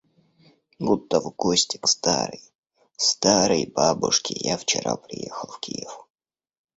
Будто в гости к старой, старой бабушке я вчера приехал в Киев.